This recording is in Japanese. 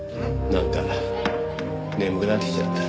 なんか眠くなってきちゃった。